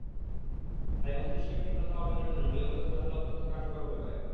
তাই মস্তিষ্কের তীক্ষ্ণতা অর্জনের জন্য নিয়মিত খেলাধুলা অত্যন্ত কার্যকর হতে পারে।